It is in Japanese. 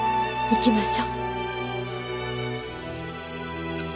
行きましょう。